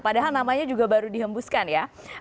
padahal namanya juga baru dihembuskan ya